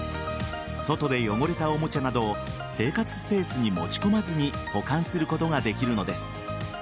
外で汚れたおもちゃなどを生活スペースに持ち込まずに保管することができるのです。